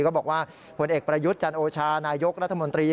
ก็บอกว่าผลเอกประยุทธ์จันโอชานายกรัฐมนตรี